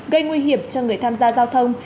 gây nguy hiểm cho người tham gia giao thông